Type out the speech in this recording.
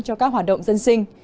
cho các hoạt động dân sinh